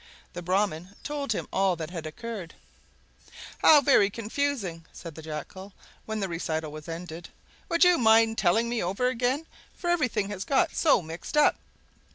The Brahman told him all that had occurred. "How very confusing!" said the Jackal, when the recital was ended; "would you mind telling me over again, for everything has got so mixed up?"